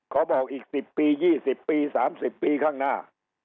บอกอีก๑๐ปี๒๐ปี๓๐ปีข้างหน้า